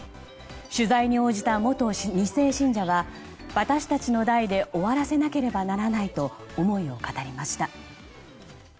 取材に応じた元２世信者は私たちの代で終わらせなければならないと思いを語りました。